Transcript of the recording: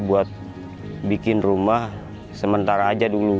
buat bikin rumah sementara aja dulu